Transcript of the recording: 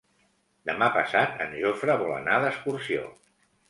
Demà passat en Jofre vol anar d'excursió.